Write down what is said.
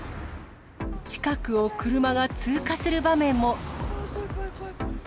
近くを車が通過する場面も。